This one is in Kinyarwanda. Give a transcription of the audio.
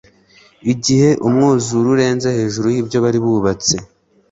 igihe umwuzure urenze hejuru y'ibyo bari bubatse